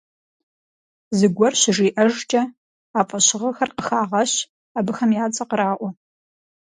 Зыгуэр щыжиӀэжкӀэ, а фӀэщыгъэхэр къыхагъэщ, абыхэм я цӀэ къраӀуэ.